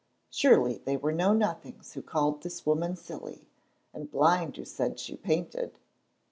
Surely they were know nothings who called this woman silly, and blind who said she painted.